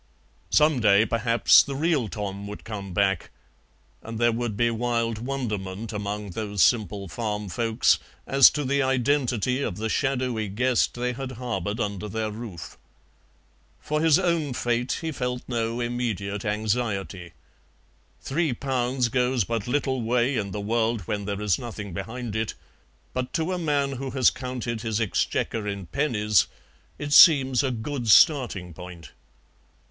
Some day perhaps the real Tom would come back, and there would be wild wonderment among those simple farm folks as to the identity of the shadowy guest they had harboured under their roof. For his own fate he felt no immediate anxiety; three pounds goes but little way in the world when there is nothing behind it, but to a man who has counted his exchequer in pennies it seems a good starting point.